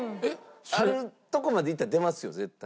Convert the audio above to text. あるとこまでいったら出ますよ絶対。